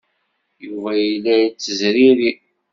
Yuba yella yettezriri.